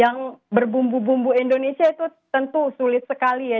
yang berbumbu bumbu indonesia itu tentu sulit sekali ya